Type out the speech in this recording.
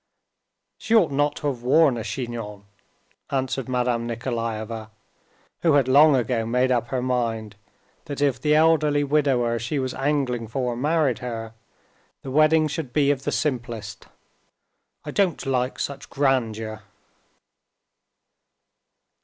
"She ought not to have worn a chignon," answered Madame Nikolaeva, who had long ago made up her mind that if the elderly widower she was angling for married her, the wedding should be of the simplest. "I don't like such grandeur."